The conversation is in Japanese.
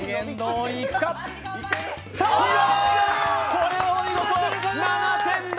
これはお見事、７点だ！